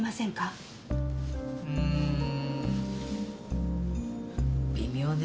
うん微妙ね。